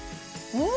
うん。